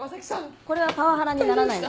これはパワハラにならないの。